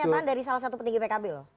pernyataan dari salah satu petinggi pkb loh